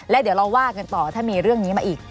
แล้วเดี๋ยวเราว่ากันต่อถ้ามีเรื่องนี้มาอีก